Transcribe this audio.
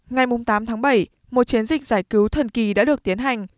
ngày tám tháng bảy một chiến dịch giải cứu thần kỳ đã được tiến hành